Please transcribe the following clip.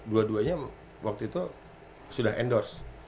dua duanya waktu itu sudah endorse